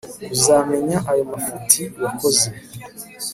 kuzamenya ayo mafuti wakoze